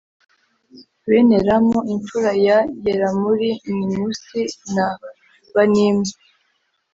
bene ramu imfura ya yeramuli ni musi na banimu